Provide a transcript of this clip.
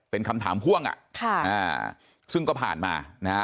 เป็นคำถามพ่วงอ่ะค่ะอ่าซึ่งก็ผ่านมานะฮะ